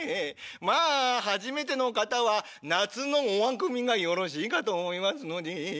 まあ初めての方は夏のおあくびがよろしいかと思いますので。